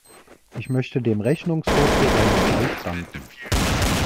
Ich möchte dem Rechnungshof für seinen Bericht danken.